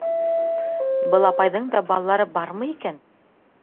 Был апайҙың да балалары бармы икән?